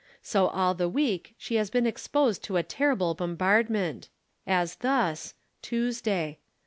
So all the week she has been exposed to a terrible bombardment. "As thus (Tuesday.)